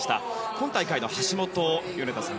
今大会の橋本、米田さん